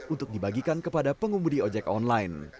untuk dibagikan kepada pengumudi ojek online